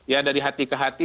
ya dari hati ke hati